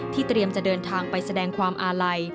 เตรียมจะเดินทางไปแสดงความอาลัย